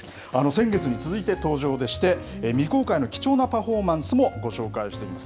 先月に続いて、登場でして未公開な貴重なパフォーマンスもご紹介します。